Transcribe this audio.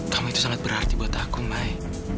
kamu itu sangat berarti buat aku mai